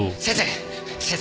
先生！